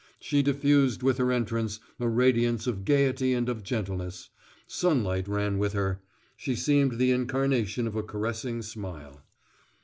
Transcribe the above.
She diffused with her entrance a radiance of gayety and of gentleness; sunlight ran with her. She seemed the incarnation of a caressing smile.